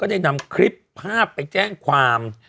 ได้นำคลิปภาพไปแจ้งความ